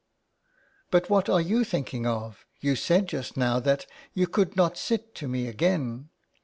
But what are you thinking of? You said just now that you could not sit to me again.